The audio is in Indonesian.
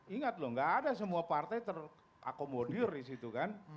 ingat loh gak ada semua partai terakomodir disitu kan